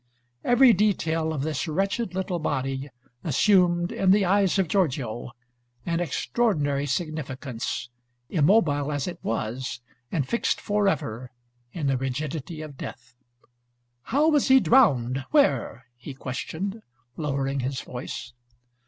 Every detail of this wretched little body assumed, in the eyes of Giorgio, an extraordinary significance, immobile as it was and fixed forever in the rigidity of death. "How was he drowned? Where?" he questioned, lowering his voice.